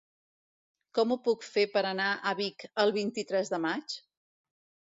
Com ho puc fer per anar a Vic el vint-i-tres de maig?